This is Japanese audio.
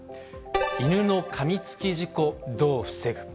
犬のかみつき事故どう防ぐ？